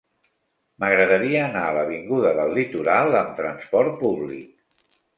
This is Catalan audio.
M'agradaria anar a l'avinguda del Litoral amb trasport públic.